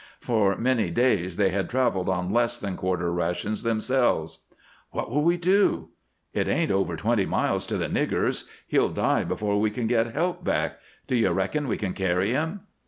For many days they had traveled on less than quarter rations themselves. "What will we do?" "It ain't over twenty miles to the niggers'. He'll die before we can get help back. D'ye reckon we can carry him?"